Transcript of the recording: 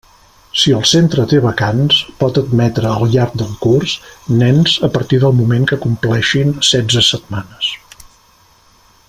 Si el centre té vacants, pot admetre al llarg del curs nens a partir del moment que compleixin setze setmanes.